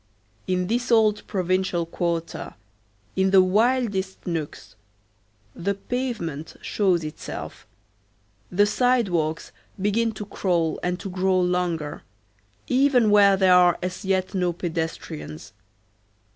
In this old provincial quarter, in the wildest nooks, the pavement shows itself, the sidewalks begin to crawl and to grow longer, even where there are as yet no pedestrians.